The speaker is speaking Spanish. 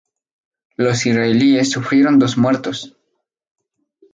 Los israelíes sufrieron dos muertos.